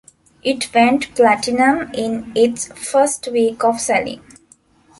It went platinum in its first week of selling.